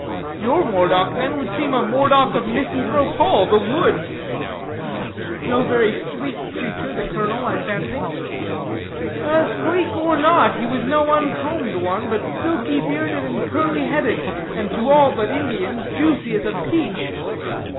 "Your Moredock, then, would seem a Moredock of Misanthrope Hall the Woods. No very sleek creature, the colonel, I fancy." "Sleek or not, he was no uncombed one, but silky bearded and curly headed, and to all but Indians juicy as a peach.